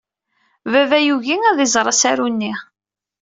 Baba yugi ad iẓer asaru-nni.